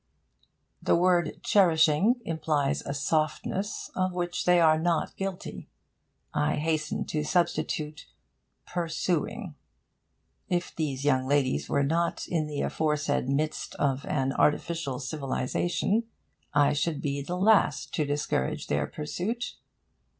The word 'cherishing' implies a softness of which they are not guilty. I hasten to substitute 'pursuing.' If these young ladies were not in the aforesaid midst of an artificial civilisation, I should be the last to discourage their pursuit.